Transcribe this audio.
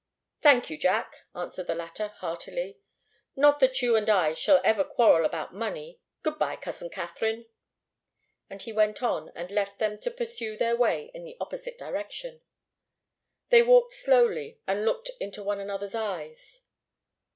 "Thank you, Jack," answered the latter, heartily. "Not that you and I shall ever quarrel about money. Good bye, cousin Katharine." And he went on and left them to pursue their way in the opposite direction. They walked slowly, and looked into one another's eyes.